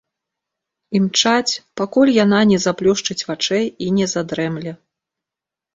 Імчаць, пакуль яна не заплюшчыць вачэй і не задрэмле.